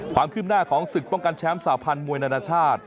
ความคืบหน้าของศึกป้องกันแชมป์สาพันธ์มวยนานาชาติ